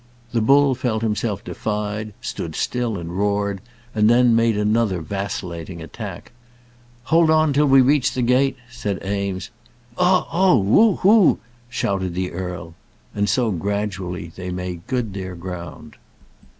The bull felt himself defied, stood still and roared, and then made another vacillating attack. "Hold on till we reach the gate," said Eames. "Ugh! ugh! Whoop! whoop!" shouted the earl. And so gradually they made good their ground.